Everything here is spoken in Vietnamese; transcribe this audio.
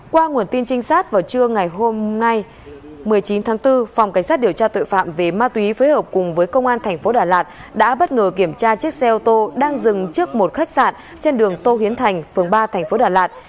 qua nguồn tin trinh sát vào trưa ngày hôm nay một mươi chín tháng bốn phòng cảnh sát điều tra tội phạm về ma túy phối hợp cùng với công an tp đà lạt đã bất ngờ kiểm tra chiếc xe ô tô đang dừng trước một khách sạn trên đường tô hiến thành phường ba tp đà lạt